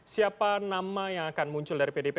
siapa nama yang akan muncul dari pdip